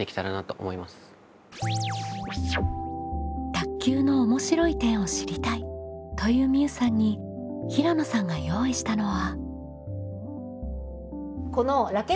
「卓球の面白い点を知りたい」というみうさんに平野さんが用意したのは。